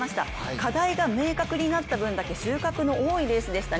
課題が明確になった分だけ収穫の多いレースでしたね。